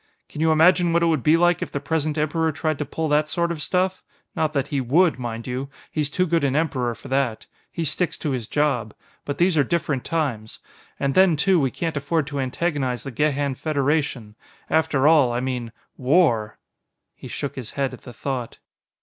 "Can you imagine what it would be like if the present Emperor tried to pull that sort of stuff? Not that he would, mind you; he's too good an Emperor for that. He sticks to his job. But these are different times. And then, too, we can't afford to antagonize the Gehan Federation. After all, I mean, war ..." He shook his head at the thought.